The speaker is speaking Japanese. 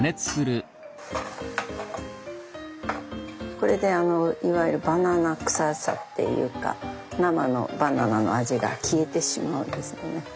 これであのいわゆるバナナ臭さっていうか生のバナナの味が消えてしまうんですよね。